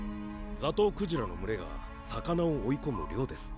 ザトウクジラの群れが魚を追い込む漁です。